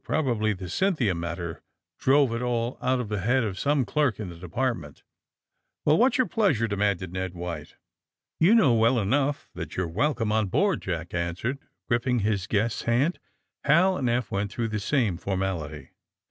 Probably the ^Cynthia' matter drove it all out of the head of some clerk in the De partment. '' ^'Well, whafs your pleasure?" demanded Ned White. ; *^You know well enough that you are welcome on board," Jack answered, gripping his guest's hand. Hal and Eph went through the same for mality.